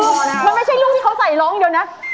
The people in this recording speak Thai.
พอถึงคือมันไม่ใช่ลูกที่เขาใส่ร้องเดี๋ยวนะ